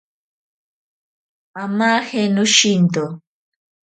Amaje noshinto.